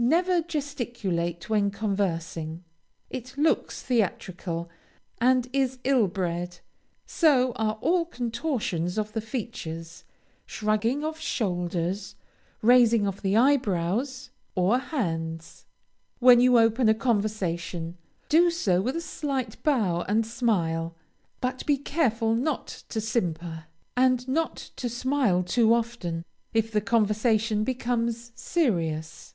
Never gesticulate when conversing; it looks theatrical, and is ill bred; so are all contortions of the features, shrugging of shoulders, raising of the eyebrows, or hands. When you open a conversation, do so with a slight bow and smile, but be careful not to simper, and not to smile too often, if the conversation becomes serious.